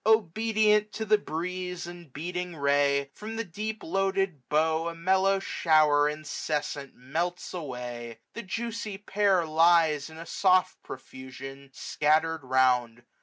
Obedient to the breeze and beating ray. From the deep loaded bough a mellow shower Incessant melts away. The juicy pear 630 Lies, in a soft profusion, scattered round.